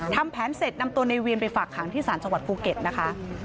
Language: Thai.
ทำแผนเสร็จนำตัวในเวียนไปฝากขังที่ศาลจังหวัดภูเก็ตนะคะ